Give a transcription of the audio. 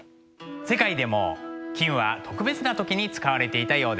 世界でも金は特別な時に使われていたようです。